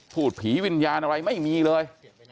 พูดผีวิญญาณอะไรไม่มีเลย